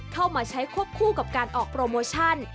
เข้ามาใช้ควบคู่กับการออกโปรโมชั่น